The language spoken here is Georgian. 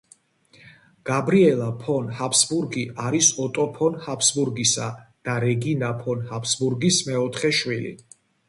გაბრიელა ფონ ჰაბსბურგი არის ოტო ფონ ჰაბსბურგისა და რეგინა ფონ ჰაბსბურგის მეოთხე შვილი.